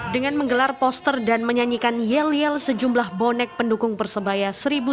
dengan menggelar poster dan menyanyikan yel yel sejumlah bonek pendukung persebaya seribu sembilan ratus sembilan puluh